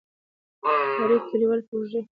دا اړیکې د کلیوالو پروژو په بریالیتوب کې مرسته کوي.